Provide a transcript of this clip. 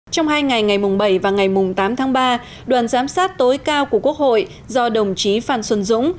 trong hai ngày ngày bảy và ngày mùng tám tháng ba đoàn giám sát tối cao của quốc hội do đồng chí phan xuân dũng